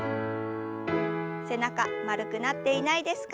背中丸くなっていないですか？